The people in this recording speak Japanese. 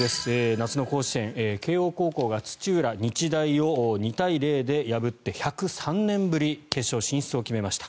夏の甲子園慶応高校が土浦日大を２対０で破って１０３年ぶり決勝進出を決めました。